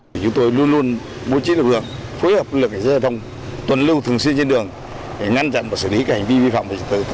một chi tiêu thường phối hợp lực lượng xe giải thông tuần lù thường xuyên trên đường để ngăn chặn và xử lý các hành vi vi phạm